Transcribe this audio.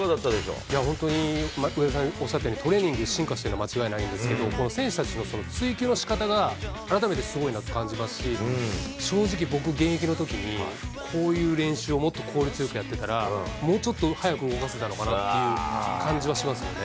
いや、本当に上田さんがおっしゃったように、トレーニングが進化しているのは間違いないんですが、選手たちの追求のしかたが改めてすごいなって感じますし、正直、僕、現役のときに、こういう練習をもっと効率よくやってたら、もうちょっと速く動かせたのかなって感じはしますよね。